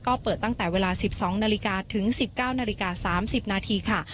ก็เปิดตั้งแต่เวลาสิบสองนาฬิกาถึงสิบเก้านาฬิกาสามสิบนาทีค่ะ